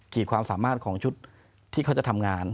ความสามารถของชุดที่เขาจะทำงาน